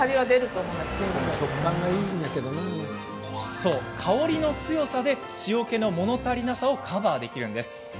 そう、香りの強さで塩けの、もの足りなさをカバーできるんです。